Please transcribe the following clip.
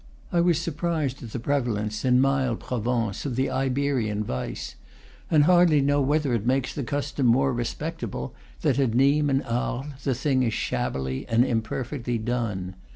I was sur prised at the prevalence, in mild Provence, of the Iberian vice, and hardly know whether it makes the custom more respectable that at Nimes and Arles the thing is shabbily and imperfectly done.